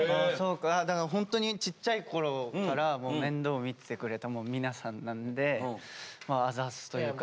だからホントにちっちゃいころからもう面倒見ててくれた皆さんなんでまああざっすというか。